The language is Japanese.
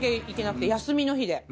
休みの日で。